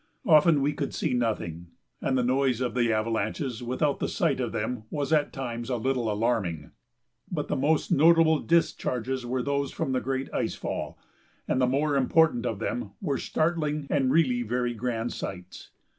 Often we could see nothing, and the noise of the avalanches without the sight of them was at times a little alarming. But the most notable discharges were those from the great ice fall, and the more important of them were startling and really very grand sights.